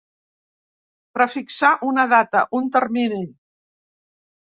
Prefixar una data, un termini.